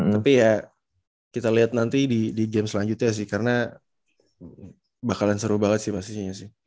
tapi ya kita lihat nanti di game selanjutnya sih karena bakalan seru banget sih pastinya sih